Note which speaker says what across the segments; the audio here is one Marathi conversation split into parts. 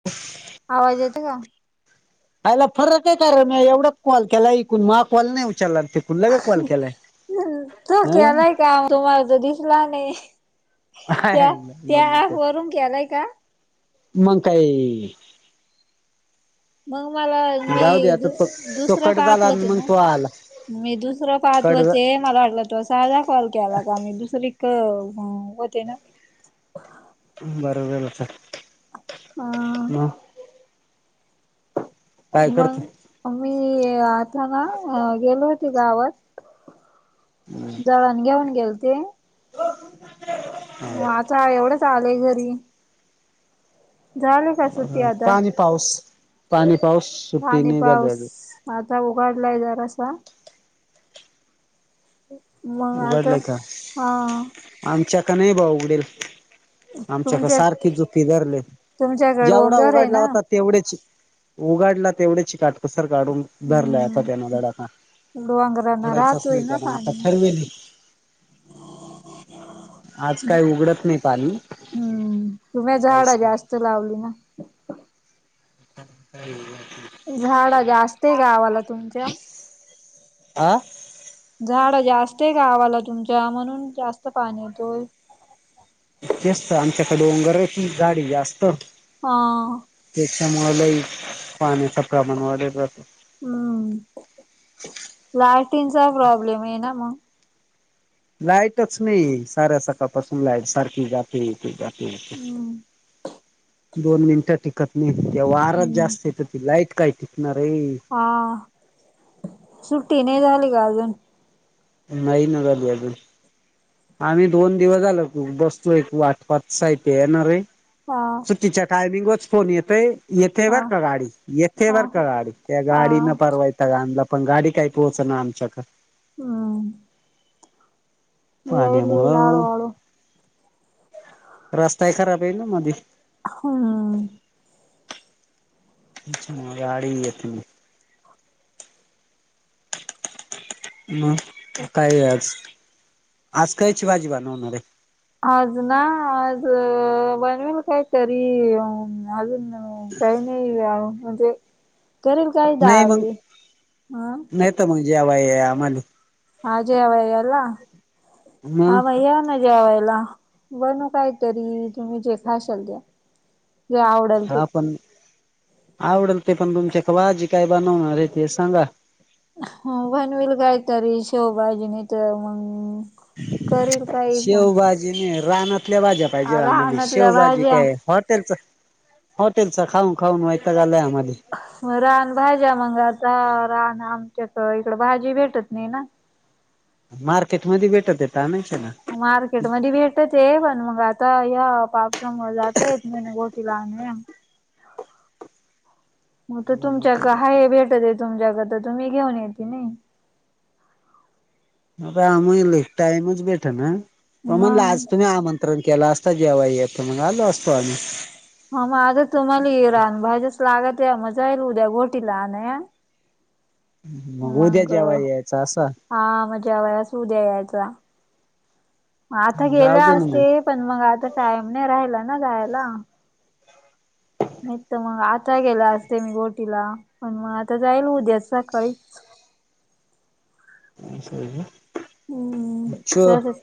Speaker 1: [inaudible]
Speaker 2: आवाज येते का?
Speaker 1: आयला फरक आहे का रे मी एवढाच कॉल केला ऐकून मग कॉल नाही उचारला तिककून लगे कॉल केलाय
Speaker 2: तो केलाय काम तुम्हाला तर दिसला नाही. त्या
Speaker 1: मग
Speaker 2: त्या वरून केलाय का?
Speaker 1: मग काय
Speaker 2: मग मला मी
Speaker 1: जाऊ दे आता तो तो
Speaker 2: दुसरं
Speaker 1: कट
Speaker 2: पाहत
Speaker 1: झाला आणि
Speaker 2: होते
Speaker 1: मग
Speaker 2: ना.
Speaker 1: तो आला
Speaker 2: मी दुसरं पाहत
Speaker 1: कट
Speaker 2: होते
Speaker 1: झा-
Speaker 2: मला वाटल त साधा कॉल केला होता आम्ही. दुसरी कडे म होते ना.
Speaker 1: बरोबरच
Speaker 2: अ
Speaker 1: म काय करतो
Speaker 2: मग मी आता ना गेलो होती गावात दळण घेऊन गेलते. आता एवढ्यात आली घरी. झाले का सुट्टी आता?
Speaker 1: पाणी पाऊस- पाणी पाऊस सुुट्टी
Speaker 2: पाणी
Speaker 1: नाही झाल
Speaker 2: पाऊस
Speaker 1: आजुन.
Speaker 2: आता उघाडलाय जरासा. मग आता हा
Speaker 1: आमच्याकडे नाही बा उघडेल. आमच्याकडे
Speaker 2: तुमच्या
Speaker 1: सारखे [unintelligible]
Speaker 2: तुमच्याकडे
Speaker 1: जेवढा
Speaker 2: डोंगर आहे
Speaker 1: उघाडला
Speaker 2: ना
Speaker 1: होता तेवढेच. उघाडला तेवढेच काटकसर काढून धरला आता
Speaker 2: हम्म
Speaker 1: त्यान दडका.
Speaker 2: डोंगरांना
Speaker 1: उघडायचा च
Speaker 2: राहतोय
Speaker 1: नाही त्या
Speaker 2: ना
Speaker 1: आता
Speaker 2: पाणी
Speaker 1: [inaudible] आज काही उघडत नाही पाणी
Speaker 2: हम्म [unintelligible]
Speaker 1: नाही
Speaker 2: जास्त लावली ना
Speaker 1: [inaudible]
Speaker 2: झाडा जास्त आहे गावाला तुमच्या.
Speaker 1: आ
Speaker 2: झाड जास्त आहे गावाला तुमच्या म्हणून जास्त पाणी येतोय.
Speaker 1: तेच तर आमच्याकडे [unintelligible] झाडी जास्त
Speaker 2: हा
Speaker 1: त्याच्यामुळेलाय पाण्याचा प्रमाण वाढेल राहतो.
Speaker 2: हम्म. लाइटी नचा प्रॉब्लेम आहे ना मग.
Speaker 1: लाईटच नाही. साऱ्या सकाळपासून लाईट सारखी जात ते येते जाते.
Speaker 2: हम्म
Speaker 1: दोन मिनिट वारा च
Speaker 2: हम्म
Speaker 1: जास्त हे तर ती लाईट काय टिकणार हे.
Speaker 2: हा सुट्टी नाही झाली का अजून?
Speaker 1: नाही ना झाली अजून. आम्ही दोन दिवस झालो बसतोय वाटपात साहित्य येणार हे.
Speaker 2: हा.
Speaker 1: सुट्टीच्या टाईमिंगच फोन येतय येते
Speaker 2: हा
Speaker 1: बर का गाडी, येते
Speaker 2: हा
Speaker 1: बर का गाडी़, त्या
Speaker 2: हा
Speaker 1: गाडी ने पार वै ताग आणला. पण गाडी काही पोहोच ना आमच्याकड.
Speaker 2: हम येईल येईल
Speaker 1: पाण्यामुळं
Speaker 2: हळू हळू
Speaker 1: रस्ताय खराब हे ना ना मध्ये.
Speaker 2: हम
Speaker 1: त्याच्यामुळे गाडी ही येत नही. म काय आज. आज कायची भाजी बनवणार आहे?
Speaker 2: आज ना आज बनवेल काहीतरी अजून काही नाही म्हणजे करेल काय
Speaker 1: नाही मग, नाही तर मग जेवाया म्हणे.
Speaker 2: हा जेवायाला.
Speaker 1: मग
Speaker 2: हा म या जेवायला. बणू काहीतरी तुम्ही जे खाशाल ते. जे आवडेल ते
Speaker 1: हा पण आवडेल ते, पण तुमच्याकडे भाजी काय बनवणार आहे ते सांगा?
Speaker 2: हो. बनवेल कायतरी शेवभाजी नाहीतर मंग
Speaker 1: शेवभाजी नाही रानातल्या भाज्या पाहिजे आम्हाला
Speaker 2: रानातल्या
Speaker 1: शेवभाजी
Speaker 2: भाज्या
Speaker 1: काय हॉटेलच हॉटेलच खाऊ खाऊनय आलंय आम्हाले
Speaker 2: मग रान भाज्या मंग आता रान, आमच्याक इकडं भाजी भेटत नाही ना.
Speaker 1: मार्केट मध्ये भेटते तर आणायचे ना,
Speaker 2: मार्केट मधी भेटते पण मग आता या पाऊसामुळे जाता येत नाही गोटी लावणे मग तर
Speaker 1: गंमत
Speaker 2: तुमच्याक
Speaker 1: आहे बा
Speaker 2: हाय हे भेटती तुमच्याक तर तुम्ही घेऊन येते नाही,
Speaker 1: कामही लै टाईमच भेठना, मग म्हणलं आज तुम्ही आमं कार्यक्रम केला असता जेव्हा येतो मग आलो असतो आम्ही.
Speaker 2: ह मग आता तुम्हाला इरान भाज्यास लागत्या या मग जाईल उद्या घोटीला आणायान
Speaker 1: मग उद्या जेवाय यायचा असं?
Speaker 2: हा मग जेवयास उद्या यायचा, आता
Speaker 1: जाऊ
Speaker 2: गेल्या
Speaker 1: दे ना मग.
Speaker 2: असते पण मग आता टाइम नाही राहिला ना जायला. नाही तर मग आता गेलं असते मी गोटीला पण मग आता जायल उद्या सकाळीच
Speaker 1: असं हाय का?
Speaker 2: हम्म.
Speaker 1: अच्छ,
Speaker 2: तसच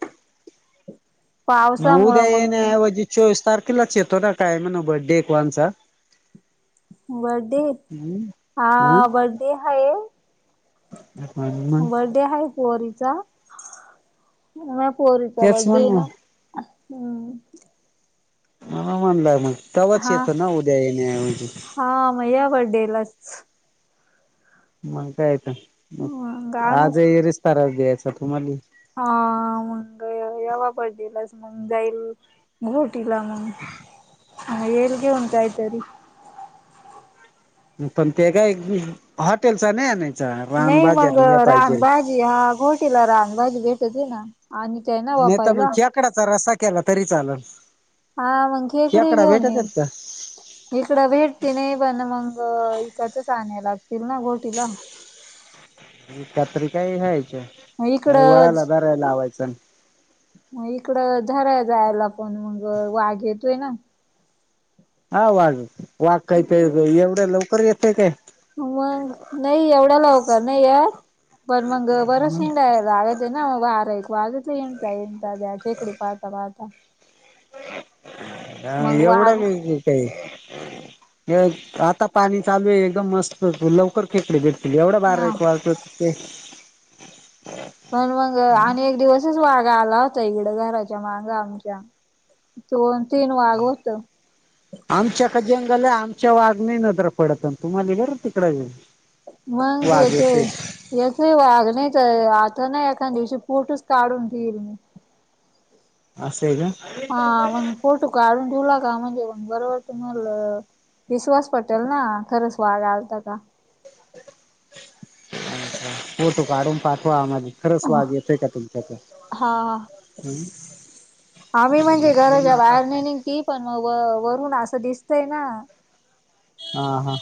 Speaker 1: नऊ
Speaker 2: पावसामुळं
Speaker 1: दय न
Speaker 2: मग
Speaker 1: आवजी. चोवीस तारखेलाच येतो ना काय म्हण बर्थडे एक वनचा,
Speaker 2: बर्डे हा बर्डे हाय.
Speaker 1: आणि मग.
Speaker 2: डे आहे पोरीचा. म पोरीचा
Speaker 1: तेच
Speaker 2: बड्डे
Speaker 1: म्हण
Speaker 2: आहे
Speaker 1: मग.
Speaker 2: ना. अ...
Speaker 1: अहं म्हणलं मग, तवाच
Speaker 2: हा
Speaker 1: येतो ना उद्या येण्याऐवजी.
Speaker 2: हा मग या बड्डेलाच.
Speaker 1: मग काय तर मग, आज येरीच त्रास द्यायचा तुम्हाले.
Speaker 2: हा मंग यवा बड्डेलाच मग जाईल मी. तिला मग, येईल घेऊन काही तरी
Speaker 1: पण ते काय हॉटेलच नाही आणायचा रानबा जालीय पाहिजेल
Speaker 2: ते हा घोटीला रान भाजी भेटती ना. आणि काय नाही.
Speaker 1: नाहीता मग खेकडाचा रस्सा केला तरी चालल.
Speaker 2: हा मंग खीकडी
Speaker 1: खेकडा
Speaker 2: घेऊन
Speaker 1: भेटत
Speaker 2: येईल.
Speaker 1: आहेत का
Speaker 2: इकडं भेटती नाही पण मगं, इकतच आणाय लागतील ना घोटीला.
Speaker 1: कत्रिकही
Speaker 2: मग
Speaker 1: घ्यायच्या वळाला
Speaker 2: इकडंच
Speaker 1: दरायला लावायचं.
Speaker 2: मग इकड धरायला जायला कोण मग वाघ येतोय ना.
Speaker 1: हा वाज वाकायचंय एवढ्या लवकर येतय काय?
Speaker 2: मग नाही एवढ्याला लवकर नाही या पण मग बर शिंड आहे. राग येतो ना मग बा एक वाघ हिडता हिंडता खेकडी पाहता पाहता,
Speaker 1: ह
Speaker 2: मग वाघ
Speaker 1: एवढं बिझी. ते आता पाणी चालू आहे एकदम मस्त लवकर खेकडे भेटतील, एवढं बारा
Speaker 2: हा
Speaker 1: एक वाजवत होते.
Speaker 2: पण मग आणि एक दिवसच वाघा आला होता इकडं घराच्या मागा आमच्या दोन तीन वाघ होतं.
Speaker 1: आमच्याकडं जंगल ये. आमच्या वाघ नाही नजर पडत आणि, तुम्हाला बर तिकडं हे.
Speaker 2: मग येतोय. येतोय वाघ नाहीत आता ना एखा दिवशी फोटूचच काढून ठेईल मी.
Speaker 1: असंय का?
Speaker 2: हा मग फोटू काढून ठेवला का म्हणजे मग बरोबर तुम्हाल विश्वास पटल ना? खरंच वाघ आलता का?
Speaker 1: अच्छा! फोटू काढून पाठवा आम्हाले. खरच वाघ येतोय का तुमच्या कड
Speaker 2: हा
Speaker 1: हम्म.
Speaker 2: आम्ही म्हणजे
Speaker 1: फोन
Speaker 2: घराच्या
Speaker 1: आता
Speaker 2: बाहेर नाही निघ ती पण व वरुन असं दिसतय ना?
Speaker 1: हा हा.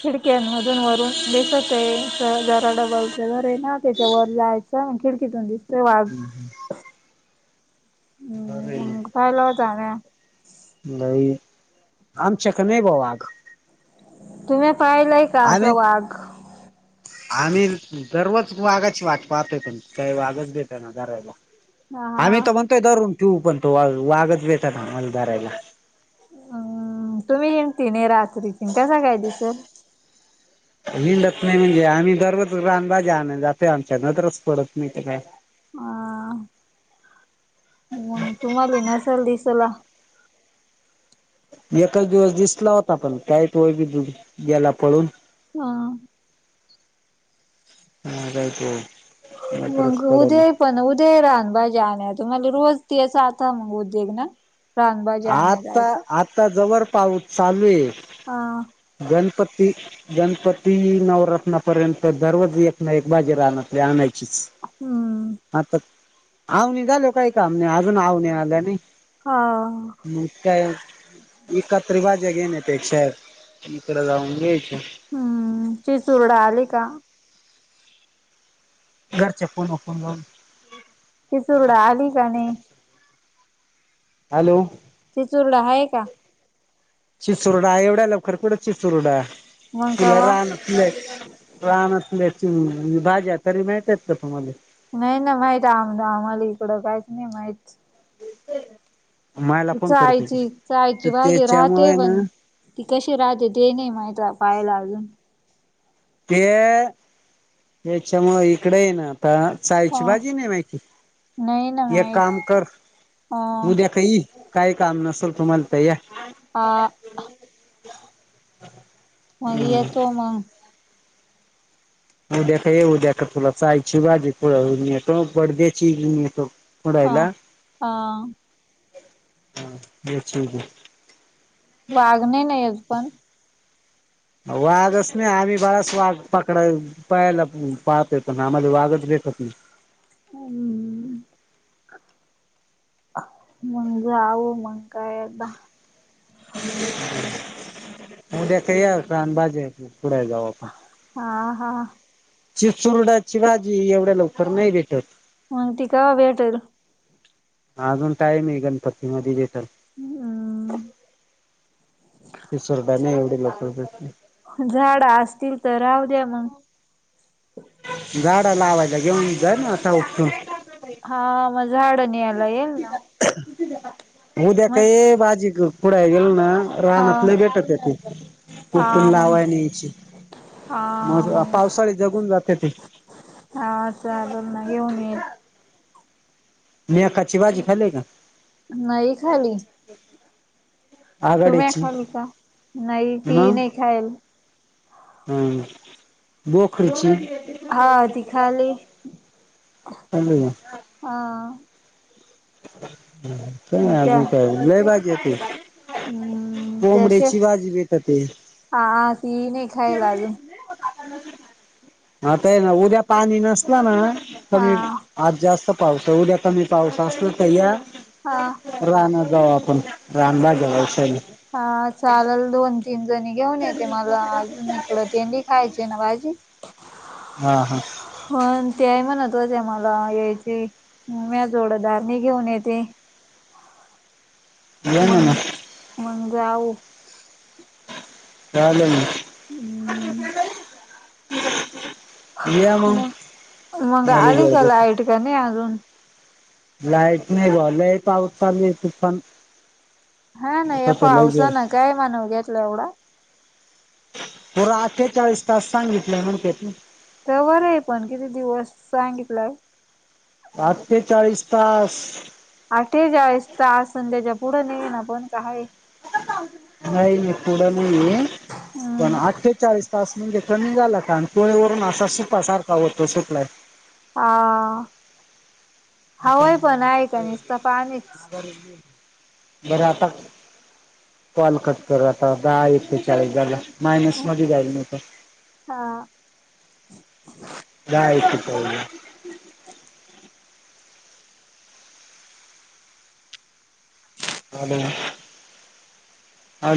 Speaker 2: खिडक्यांमधून वरून दिसते आहे जरा डबल च घर आहे ना त्याच्यावर जायचं. त खिडकीतून दिसतो वा
Speaker 1: [inaudible] बरय ना?
Speaker 2: हम्म पाहिला होता ना
Speaker 1: नाही. आमच्याकड नाही बाबा वाघ.
Speaker 2: तुम्ही पायलाय?
Speaker 1: आम्ही. आम्ही दररोज वाघाची वाट पाहतोय त काही वाघच भेटना धरायला.
Speaker 2: हा हा
Speaker 1: आम्ही तर म्हणतोय धरून ठिऊ पण तो वाग - वागच भेटणा आम्हाला धरायला.
Speaker 2: हम्म तुम्ही हिणती नाही रात्रीचीन कसा काय दिसल?
Speaker 1: हिंडत नाही म्हणजे आम्ही दररोज रानभाज्या आणयला जातय आमच्या नजरच पडत नाही ते काय?
Speaker 2: हा. हो तुम्हाले नसेल दिसला.
Speaker 1: एकच दिवस दिसला होता. पण काही तो वी गेला पळून.
Speaker 2: हा.
Speaker 1: [unintelligible] नजरच
Speaker 2: मंग दे
Speaker 1: पडेना.
Speaker 2: पण उदय राहन भाजे आण तुम्हाला रोज तेच आता मग उदेग ना? रानभाजी आणाय
Speaker 1: आता
Speaker 2: जायच.
Speaker 1: आता जवर पाऊस चालू आहे.
Speaker 2: हा.
Speaker 1: गणपती गणपती नवरत्नपर्यंत दररोज एक ना एक भाजी रानातली आणायचीच.
Speaker 2: हम्म.
Speaker 1: आता आवने झालो काही काम नाही अजून आवने आल्या नाही.
Speaker 2: हा.
Speaker 1: मग काय इकत्रि भाज्या घेण्या पेक्षा इकडं जाऊन घ्यायच्या.
Speaker 2: हम्म चीचुरडा आली का?
Speaker 1: घरच्या फोन वर फोन लावन - -
Speaker 2: ची चुरड आली का नाही?
Speaker 1: हॅलो!
Speaker 2: ची चुरड हाय का?
Speaker 1: चिसुरडा एवढ्या लवकर कुठं चिसुरडा
Speaker 2: मग
Speaker 1: तुला
Speaker 2: कवा
Speaker 1: राना रानातले भाज्या तरी माहित आहेत का तुम्हाले?
Speaker 2: नाही ना माहित आम आम्हाला इकडं काहीच नाही माहित.
Speaker 1: [unintelligible] मायला
Speaker 2: ती
Speaker 1: फोन करते की
Speaker 2: चायची चायची
Speaker 1: तर
Speaker 2: बागी राहते
Speaker 1: त्याच्यामुळे ना
Speaker 2: पण. ती कशी राहते ते नाही माहीत पाहायला अजून.
Speaker 1: ते त्याच्यामुळे इकडे आहे ना आता
Speaker 2: अ
Speaker 1: सायची बाजी नाही
Speaker 2: नाही ना
Speaker 1: माहिती एक
Speaker 2: माहित
Speaker 1: काम कर
Speaker 2: अ
Speaker 1: उद्या कई काही काम नसल तुम्हाला तर या.
Speaker 2: आ
Speaker 1: [inaudible]
Speaker 2: मग येतो मंग.
Speaker 1: उद्या खाई उद्या कर तूला सायची भाजी [unintelligible] घेऊन येतो पर्देची घेऊन येतो.
Speaker 2: अ
Speaker 1: खुडायला हा
Speaker 2: अ
Speaker 1: ये. [unintelligible]
Speaker 2: वाग नाही ना एक पण.
Speaker 1: वाघच नाही आम्ही बराच वाघ पकडाय पायाला पुम पाहत येतो ना आम्हाला वागच भेटत नाही.
Speaker 2: अम्म. मंग जावं मंग काय आता.
Speaker 1: उद्या काय यावं राहनबाजे खुडयाला जाऊ आप
Speaker 2: हा हा.
Speaker 1: चि चुरडाची भाजी एवढ्या लवकर नाही भेटत.
Speaker 2: मग ती कवा भेटेल?
Speaker 1: अजून टाईम आहे गणपती मध्ये भेटल.
Speaker 2: मिळल
Speaker 1: ती शोरडा नाय एवढं लवकर भेटत.
Speaker 2: झाडा असतील तर राहू द्या मंग.
Speaker 1: झाडा लावायला घेऊन जाई ना आता उठून.
Speaker 2: हा म झाडं नियायला येईल ना.
Speaker 1: उद्या
Speaker 2: मग
Speaker 1: काय बाजी खुडायला गेल ना रानात
Speaker 2: हा
Speaker 1: लई भेटत आहे ती
Speaker 2: हा
Speaker 1: कुपटून
Speaker 2: मग
Speaker 1: लावाय नी याची. मग पावसाळी जगून जाते ती.
Speaker 2: हा चालेल ना घेऊन ये.
Speaker 1: मी एकाची भाजी खाललय का?
Speaker 2: नाही खाली.
Speaker 1: [inaudible]
Speaker 2: तुम्ही ऐ खालली का नाही ती
Speaker 1: मग
Speaker 2: नाही खायल.
Speaker 1: हम्म बोखरीची.
Speaker 2: हा ती खाली.
Speaker 1: चांगलंय म.
Speaker 2: हां.
Speaker 1: नंतर म
Speaker 2: त्या
Speaker 1: अजून का लय भाजी आहे की.
Speaker 2: हम्म
Speaker 1: कोंबड्याची बाजी भेटते.
Speaker 2: हा हा ती नाय
Speaker 1: आताय ना उद्या पाणी नसला ना
Speaker 2: हा
Speaker 1: कमी आज जास्त पाऊस आहे उद्या कमी पाऊस असला तर या.
Speaker 2: हा
Speaker 1: रान्यात जाऊ आपण रानबाग जाऊ रिक्षायानी.
Speaker 2: हा चालेल दोन-तीन जणी घेऊन येते मला अजून इकडं तेनली खायची आहे ना भाजी. ह
Speaker 1: हा हा
Speaker 2: पण ते म्हणत होते मला [unintelligible] घेऊन येते.
Speaker 1: ये ना
Speaker 2: मग मग जाऊ.
Speaker 1: चालेल [unintelligible]
Speaker 2: हम्
Speaker 1: [inaudible]
Speaker 2: मग. मग
Speaker 1: मला
Speaker 2: आली
Speaker 1: वेळ
Speaker 2: का
Speaker 1: दे
Speaker 2: लाईट? का नाही अजून?
Speaker 1: लाईट नाही [unintelligible] लय पाऊस चालूय तुफान.
Speaker 2: हा ना या
Speaker 1: होतं लय जोर
Speaker 2: पावसाने काय मनावर घेतला एवढा.
Speaker 1: पुरा अठ्ठेचाळीस तास सांगितलय म्हणतेत.
Speaker 2: ते बर आहे, पण किती दिवस सांगितल.
Speaker 1: अठठेचाळीस तास.
Speaker 2: आठेच्याळीस तास. पण त्याच्या पुढ न ये ना पण. का आहे?
Speaker 1: नाही पुढ नाही आहे. पण
Speaker 2: हम्म
Speaker 1: अठ्ठेचाळीस तास म्हणजे कमी झाला आणि तोह वरून असा सुका सारखा होतो सुकलाय
Speaker 2: हा हवाय पण आहे का निसत पाणीच
Speaker 1: आर [inaudible] बर आता कॉल कट कर आता. दहा एक ते चाळीस झाला. मायनस मध्ये जाईल नाही तर,
Speaker 2: हा
Speaker 1: [unintelligible] ह